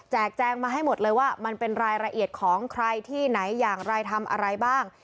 แจงมาให้หมดเลยว่ามันเป็นรายละเอียดของใครที่ไหนอย่างไรทำอะไรบ้าง